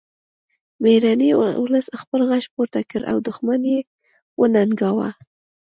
میړني ولس خپل غږ پورته کړ او دښمن یې وننګاوه